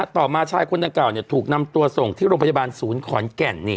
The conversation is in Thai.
ต่อมาชายคนดังกล่าวถูกนำตัวส่งที่โรงพยาบาลศูนย์ขอนแก่น